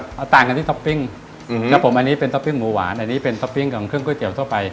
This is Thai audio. ต่างกันที่ท็อปปิ้งครับผมอันนี้เป็นท็อปปิ้งหมูหวานอันนี้เป็นท็อปปิ้งของเครื่องก๋วเตี๋ยทั่วไป